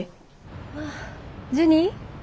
ああジュニ？